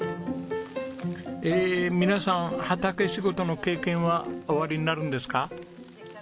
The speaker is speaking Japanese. ええ皆さん畑仕事の経験はおありになるんですか？